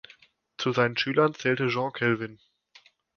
Zu seinen Schülern zählte Jean Calvin.